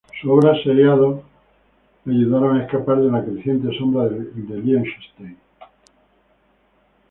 Sus obras seriados le ayudaron a escapar de la creciente sombra de Lichtenstein.